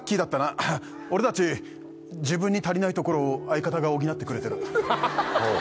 俺たち自分に足りないところを相方が補ってくれてる。